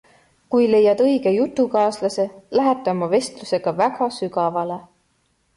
Kui leiad õige jutukaaslase, lähete oma vestlusega väga sügavale.